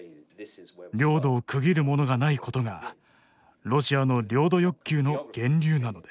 領土を区切るものがないことがロシアの領土欲求の源流なのです。